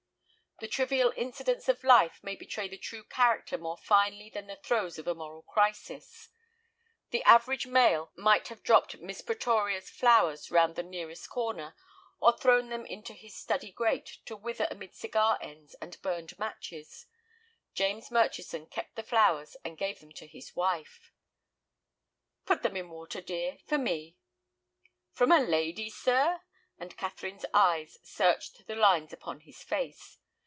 The trivial incidents of life may betray the true character more finely than the throes of a moral crisis. The average male might have dropped Miss Pretoria's flowers round the nearest corner, or thrown them into his study grate to wither amid cigar ends and burned matches. James Murchison kept the flowers and gave them to his wife. "Put them in water, dear, for me." "From a lady, sir?" and Catherine's eyes searched the lines upon his face.